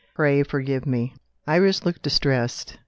Pray forgive me." Iris looked distressed.